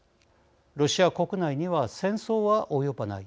ロシア国内には戦争は及ばない。